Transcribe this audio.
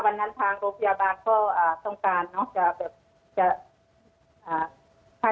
ทางโรงพยาบาลก็อ่าต้องการเนอะจะแบบจะอ่า